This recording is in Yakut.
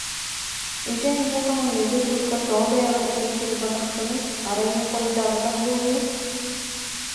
Ити эн миэхэ маҥнайгы суруккар тоҕо бэйэҕин этэн суруйбатаххыный, арай мин хоруйдаабатах буолуум